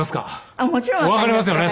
あっもちろん。わかりますよね